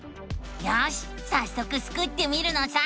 よしさっそくスクってみるのさ！